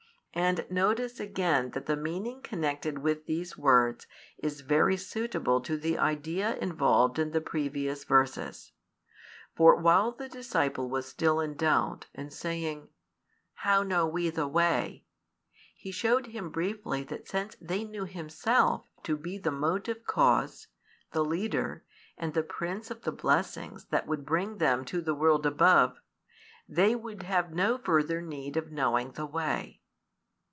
And notice again that the meaning connected with these words is very suitable to the idea involved in the previous verses. For while the disciple was still in doubt, and saying: How know we the way? He shewed him briefly that since they knew Himself to be the motive cause, the leader, and the prince of the blessings that would bring |243 them to the world above, they would have no further need of knowing the way.